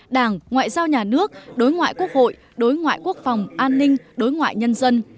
đảng ngoại giao nhà nước đối ngoại quốc hội đối ngoại quốc phòng an ninh đối ngoại nhân dân